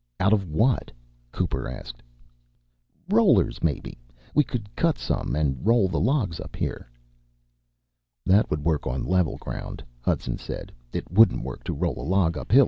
"Out of what?" Cooper asked. "Rollers, maybe. We could cut some and roll the logs up here." "That would work on level ground," Hudson said. "It wouldn't work to roll a log uphill.